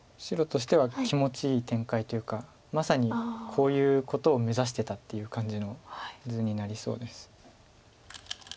白としては気持ちいい展開というかまさにこういうことを目指してたっていう感じの図になりそうです。